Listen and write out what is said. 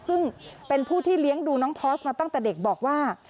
ซึ่งเป็นผู้ที่เลี้ยงดูน้องพอร์สมาตั้งแต่เด็กบอกว่า